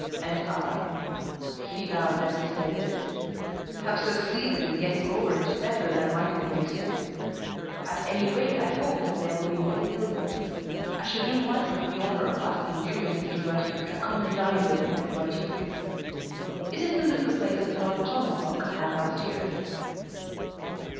And I," he laughed as he said this, "have succeeded in getting over it better than might have been expected. At any rate I hope that there will be no ill will. I shall do myself the honour of asking you and Mr. Western to come and dine with me at the Criterion. It is the little place that Lord Tomahawk had last year."